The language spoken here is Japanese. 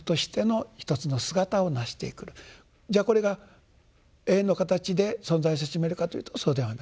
じゃあこれが永遠の形で存在せしめるかというとそうではない。